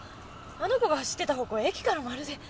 あの子が走ってた方向駅からまるで逆方向じゃない。